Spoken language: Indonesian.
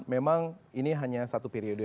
memang ini hanya satu periode